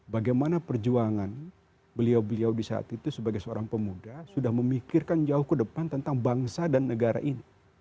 bagaimana perjuangan beliau beliau di saat itu sebagai seorang pemuda sudah memikirkan jauh ke depan tentang bangsa dan negara ini